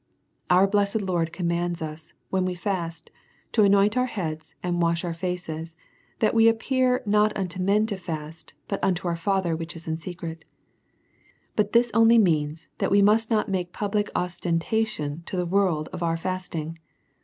Our blessed Lord commands us, when we fast, to anoint our heads and wash our faces, that we appear not unto men to fast, but unto our Father which is in secret. But this only means, that we must not make public ostentation to the world of our fasting.